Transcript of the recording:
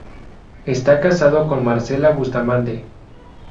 Está casado con Marcela Bustamante.